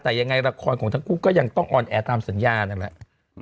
แต่ยังไงละครของทั้งคู่ก็ยังต้องออนแอร์ตามสัญญานั่นแหละ